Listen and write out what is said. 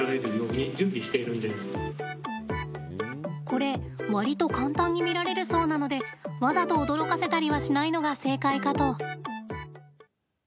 これ、わりと簡単に見られるそうなのでわざと驚かせたりはしないのが正解かと。